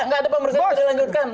gak ada pemerintah yang dilanjutkan